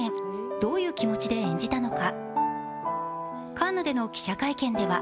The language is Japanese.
どういう気持ちで演じたのか。